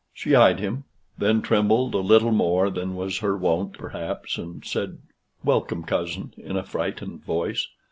She eyed him, then trembled a little more than was her wont, perhaps, and said, "Welcome, cousin," in a frightened voice.